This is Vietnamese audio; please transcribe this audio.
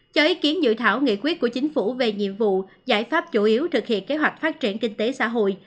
cho ý kiến dự thảo nghị quyết của chính phủ về nhiệm vụ giải pháp chủ yếu thực hiện kế hoạch phát triển kinh tế xã hội